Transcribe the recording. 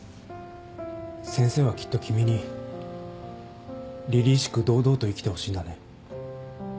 先生はきっと君にりりしく堂々と生きてほしいんだね。